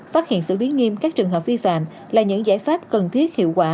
phát hiện sự biến nghiêm các trường hợp vi phạm là những giải pháp cần thiết hiệu quả